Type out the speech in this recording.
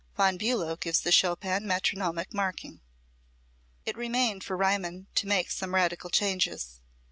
Von Bulow gives the Chopin metronomic marking. It remained for Riemann to make some radical changes.